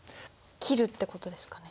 切るってことですかね？